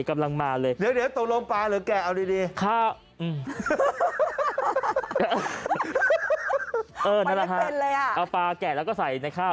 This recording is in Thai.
กำลังมาเลยเดี๋ยวตรงโรงปลาหรือแก่เอาดีข้าว